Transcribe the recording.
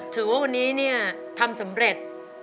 ถือว่ากว่าวันนี้นี่ทำสำเร็จ